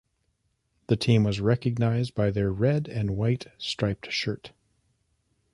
The team was recognised by their red and white striped shirt.